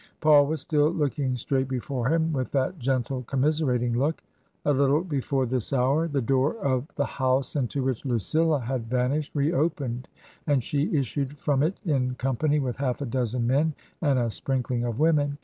Paul was still looking straight before him with that gentle, commiserating look. A little before this hour the door of the house into which Lucilla had vanished reopened, and she issued from it in company with half a dozen men and a sprink ling of women.